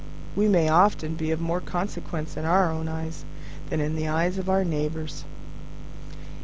We may often be of more consequence in our own eyes than in the eyes of our neighbours.